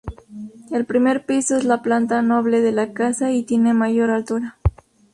El primer piso es la planta noble de la casa y tiene mayor altura.